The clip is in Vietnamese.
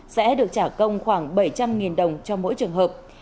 sẽ được trả công khoảng bảy trăm linh đồng cho mỗi trường hợp